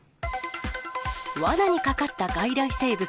わなにかかった外来生物。